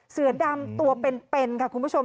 เสือดำตัวเป็นค่ะคุณผู้ชม